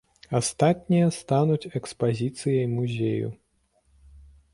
Астатнія стануць экспазіцыяй музею.